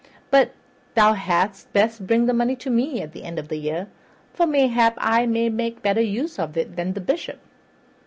But thou hadst best bring the money to me at the end of the year, for mayhap I may make better use of it than the Bishop."